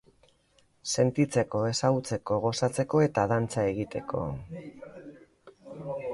Sentitzeko, ezagutzeko, gozatzeko eta dantza egiteko.